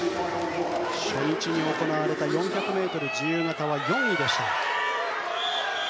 初日に行われた４００ｍ自由形は４位でした。